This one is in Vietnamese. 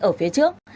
ở phía trước